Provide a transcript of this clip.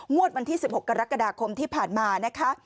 วันที่๑๖กรกฎาคมที่ผ่านมานะคะ